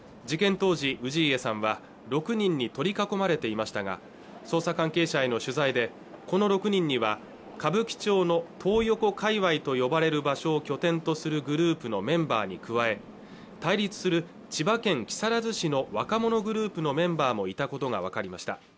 当時氏家さんは６人に取り囲まれていましたが捜査関係者への取材でこの６人には歌舞伎町のトー横界隈と呼ばれる場所を拠点とするグループのメンバーに加え対立する千葉県木更津市の若者グループのメンバーもいたことが分かりました